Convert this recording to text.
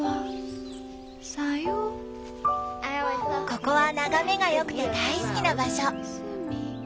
ここは眺めが良くて大好きな場所。